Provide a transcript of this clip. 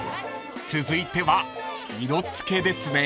［続いては色付けですね］